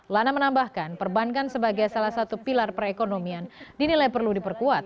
lana menambahkan perbankan sebagai salah satu pilar perekonomian dinilai perlu diperkuat